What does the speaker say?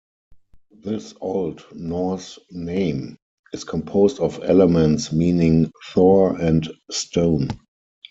This Old Norse name is composed of elements meaning "Thor" and "stone".